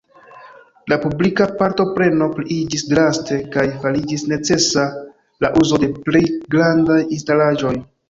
La publika partopreno pliiĝis draste kaj fariĝis necesa la uzo de pli grandaj instalaĵoj.